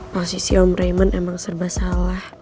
posisi om rayment emang serba salah